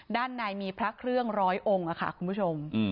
ด้านในมีพระเครื่องร้อยองค์ค่ะคุณผู้ชม